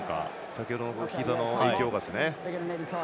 先ほどのひざの影響がですね。